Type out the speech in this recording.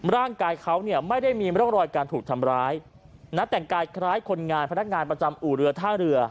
ร่างกายเขาเนี่ยไม่ได้มีร่องรอยการถูกทำร้ายนะแต่งกายคล้ายคนงานพนักงานประจำอู่เรือท่าเรือ